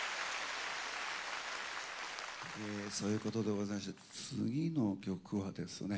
そういうことでございまして次の曲はですね